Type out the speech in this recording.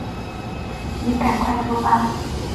你赶快出发